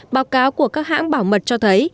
báo cáo của các hãng bảo mật cho thấy